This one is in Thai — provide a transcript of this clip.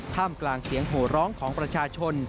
กลางเสียงโหร้องของประชาชน